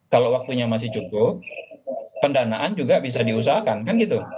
kalau waktunya masih cukup pendanaan juga bisa diusahakan kan gitu